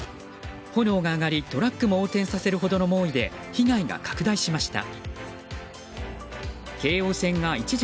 炎が上がり、トラックを横転させるほどの猛威で被害が拡大しました。